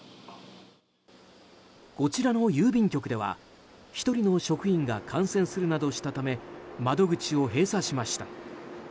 こちらの郵便局では１人の職員が感染するなどしたため窓口を閉鎖しました。